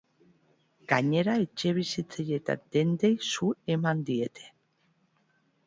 Gainera, etxebizitzei eta dendei su eman diete.